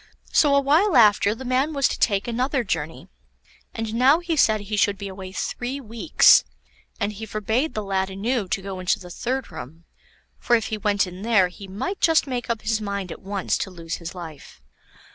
So a while after the man was to take another journey, and now he said he should be away three weeks, and he forbade the lad anew to go into the third room, for if he went in there he might just make up his mind at once to lose his life.